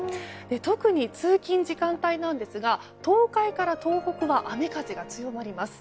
特に通勤時間帯なんですが東海から東北は雨風が強まります。